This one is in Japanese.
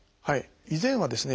以前はですね